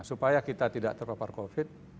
supaya kita tidak terpapar covid